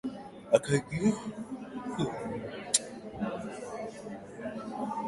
Akaingia ndani na kuurudisha ule mlango kwa nyuma